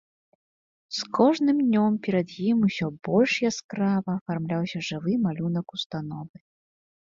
З кожным днём перад ім усё больш яскрава афармляўся жывы малюнак установы.